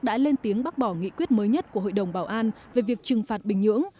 đã lên tiếng bác bỏ nghị quyết mới nhất của hội đồng bảo an về việc trừng phạt bình nhưỡng